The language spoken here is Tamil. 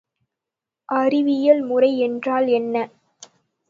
அறிவியல் முறை என்றால் என்ன?